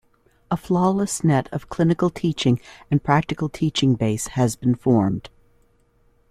A flawless net of clinical teaching and practical teaching base has been formed.